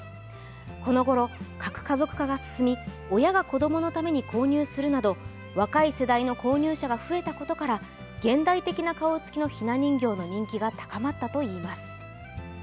この頃、核家族化が進み親が子供のために購入するなど、若い世代の購入者が増えたことから、現代的な顔つきのひな人形の人気が高まったといいます。